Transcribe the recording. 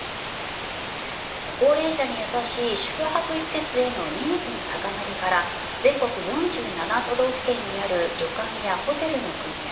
高齢者に優しい宿泊施設のニーズの高まりから全国４７都道府県にある旅館やホテルの組合